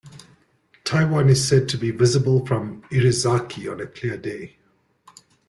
Taiwan is said to be visible from Irizaki on a clear day.